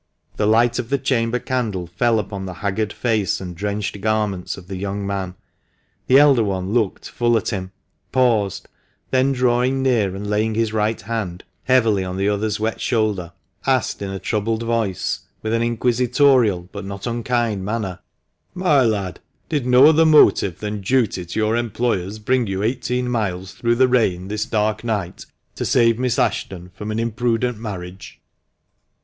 The light of the chamber candle fell upon the haggard face and drenched garments of the young man. The elder one looked full at him, paused, then drawing near and laying his right hand heavily on the other's wet shoulder, asked in a troubled voice, with an inquisitorial, but not unkind manner "My lad, did no other motive than duty to your employers bring you eighteen miles through the rain this dark night to save Miss Ashton from an imprudent marriage?"